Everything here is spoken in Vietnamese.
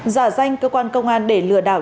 giả danh cơ quan công an để lừa đặng văn bào